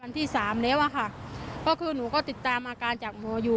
ที่สามแล้วอะค่ะก็คือหนูก็ติดตามอาการจากหมออยู่